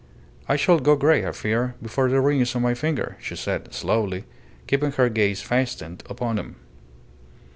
"I shall go grey, I fear, before the ring is on my finger," she said, slowly, keeping her gaze fastened upon him.